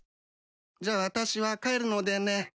じゃあ私は帰るのでね。